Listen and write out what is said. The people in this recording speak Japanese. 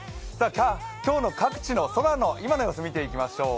今日の各地の空の今の様子、見ていきましょう。